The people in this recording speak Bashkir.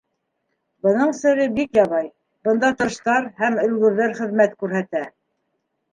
Бының сере бик ябай: бында тырыштар һәм өлгөрҙәр хеҙмәт күрһәтә.